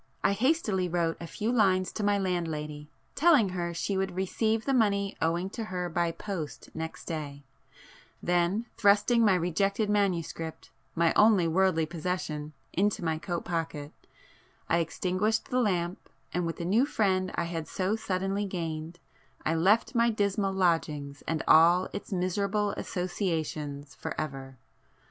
I hastily wrote a few lines to my landlady, telling her she would receive the money owing to her by post next day,—then, thrusting my rejected manuscript, my only worldly possession, [p 27] into my coat pocket, I extinguished the lamp, and with the new friend I had so suddenly gained, I left my dismal lodgings and all its miserable associations for ever.